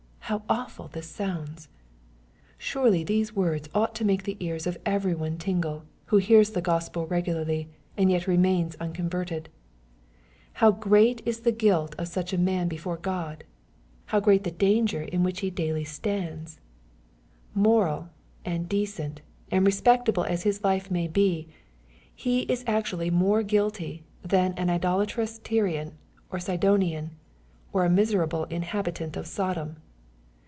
How awful this lounds 1 Surely these words ought to make the ears of every one tingle, who hears the Gospel regularly, and yet remains unconverted. How great is the guilt of such a man before God I How great the danger in which he daily MATTHEW, CHAP. XI. 115 Bta^ ]s ? Moral, and decent, and respectable as his life may be, he is actually more guilty than an idolatrous Tyrijin or Sidonian, or a miserable inhabitant of Sodom.